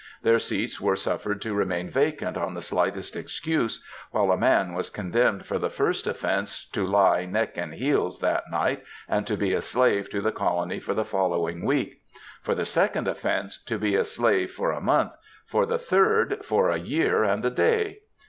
Their seats were suffered to remain vacant on the slightest excuse, while a man was condemned for the first ofience to ^* lie neck and heels that night, and be a slave to the colony for the following week; for the second ofience to be a slave for a month ; for the third, for a year and a day.'